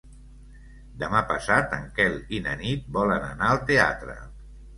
Demà passat en Quel i na Nit volen anar al teatre.